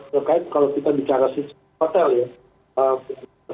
terkait kalau kita bicara sistem hotel ya